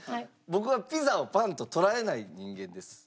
僕はピザをパンと捉えない人間です。